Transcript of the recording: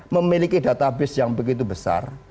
memiliki database yang begitu besar